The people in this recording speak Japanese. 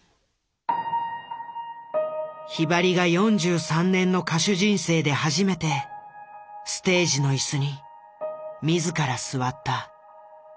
ひばりが４３年の歌手人生で初めてステージの椅子に自ら座った。